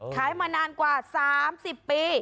มานานกว่า๓๐ปี